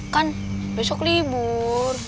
kan besok libur